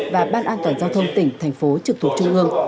và ban an toàn giao thông tỉnh thành phố trực thuộc trung ương